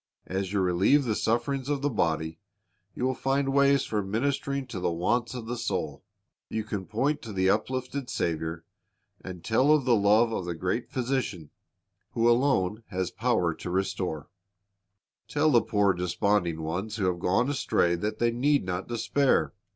As you relieve the sufferings of the body, you will find ways for ministering to the wants of the soul. You can point to the uplifted Saviour, and tell of the love 1 Isa. 55 : 1 3. 234 C Ji r i s t ' s bj e c t L c s s n s of the great Physician, who alone has power to restore. Tell the poor desponding ones who have gone astray that they need not despair.